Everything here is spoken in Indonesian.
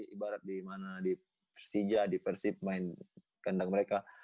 ibarat di mana di persija di persib main kandang mereka